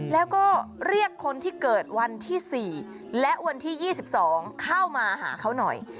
แล้วก็เรียกคนที่เกิดวันที่๔และวันที่๒๒เข้ามาหาเขาหน่อย